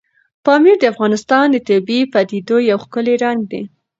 پامیر د افغانستان د طبیعي پدیدو یو ښکلی رنګ دی.